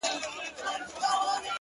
د ميني پر كوڅه ځي ما يوازي پــرېـــږدې.